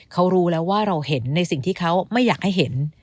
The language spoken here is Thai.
เขารู้แล้วว่าเราเห็นในสิ่งที่เขาไม่อยากให้เห็น